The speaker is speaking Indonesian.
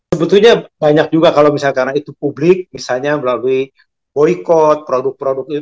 sebetulnya banyak juga kalau misalkan itu publik misalnya melalui boykot produk produk itu